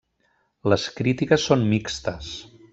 Les crítiques són mixtes.